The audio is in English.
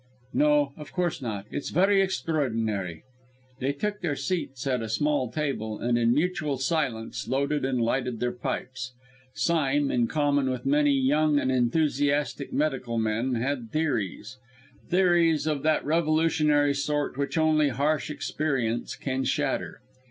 "No, of course not it's very extraordinary." They took their seats at a small table, and in mutual silence loaded and lighted their pipes. Sime, in common with many young and enthusiastic medical men, had theories theories of that revolutionary sort which only harsh experience can shatter.